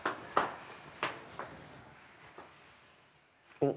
おっ！